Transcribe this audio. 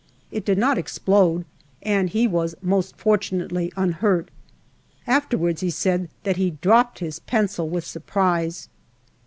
It did not explode, and he was most fortunately unhurt. Afterwards, he said that he dropped his pencil with surprise.